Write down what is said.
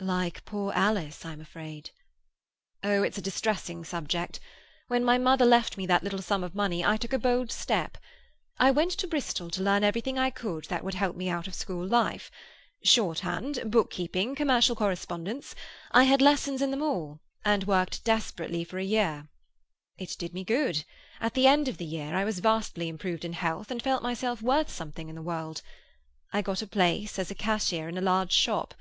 "Like poor Alice, I'm afraid." "Oh, it's a distressing subject. When my mother left me that little sum of money I took a bold step. I went to Bristol to learn everything I could that would help me out of school life. Shorthand, book keeping, commercial correspondence—I had lessons in them all, and worked desperately for a year. It did me good; at the end of the year I was vastly improved in health, and felt myself worth something in the world. I got a place as cashier in a large shop.